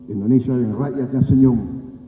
indonesia yang rakyatnya senyum